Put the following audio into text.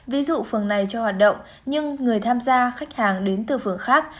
ví dụ phường này cho hoạt động nhưng người tham gia khách hàng đến từ phường khác